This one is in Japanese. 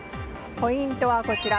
ポイントはこちら。